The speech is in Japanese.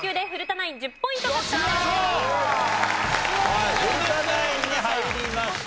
はい古田ナインに入りました。